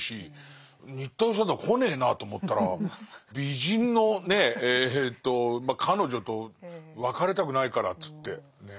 新田義貞来ねえなと思ったら美人のねえと彼女と別れたくないからっつってね。